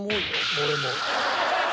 俺も。